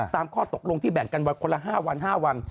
ตามข้อตกลงที่แบ่งกันวันคนละ๕วัน๕วัน